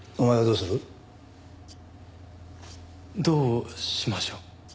どうしましょう？